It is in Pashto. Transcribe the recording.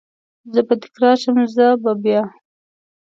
زه به تکرار شم، زه به بیا،